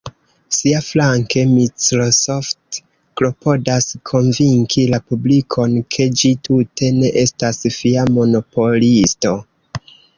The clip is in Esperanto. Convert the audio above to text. Siaflanke Microsoft klopodas konvinki la publikon, ke ĝi tute ne estas fia monopolisto.